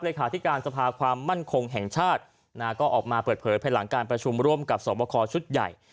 ที่การสภาความมั่นคงแห่งชาติก็ออกมาเปิดเผยภายหลังการประชุมร่วมกับสวบคอชุดใหญ่